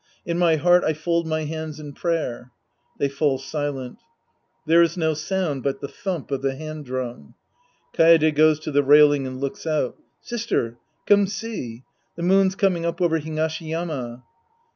In my heart I fold my hands in prayer. {J^hey fall silent. There is no sound but the thump of the hand drum. Kaede goes to the railing and looks out.) Sister, come see. The moon's coming up over Higashi Yama.